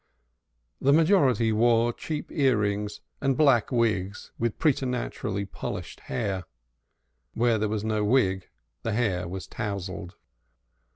The majority wore cheap earrings and black wigs with preternaturally polished hair; where there was no wig, the hair was touzled.